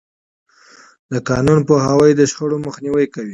د قانون پوهاوی د شخړو مخنیوی کوي.